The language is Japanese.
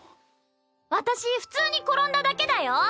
私普通に転んだだけだよ。